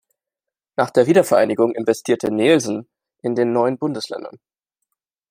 Nach der Wiedervereinigung investierte Nehlsen in den neuen Bundesländern.